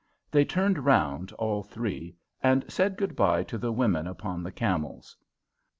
They turned round, all three, and said good bye to the women upon the camels.